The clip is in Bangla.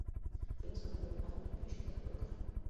ফিরোজ চাপা গলায় বলল, আজ আপনার একটি মেয়ের সঙ্গে দেখা করবার কথা।